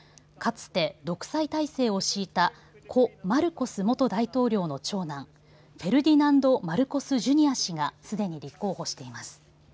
かつて独裁体制を敷いた故マルコス元大統領の長男フェルディナンド・マルコス・ジュニア氏がすでに立候補しています。